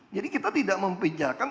jadi kita tidak mempijakan